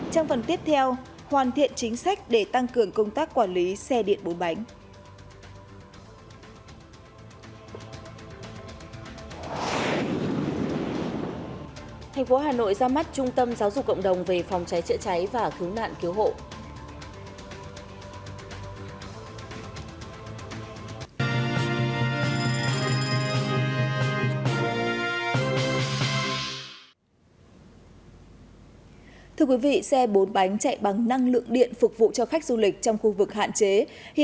trang phần tiếp theo hoàn thiện chính sách để tăng cường công tác quản lý xe điện bụi bánh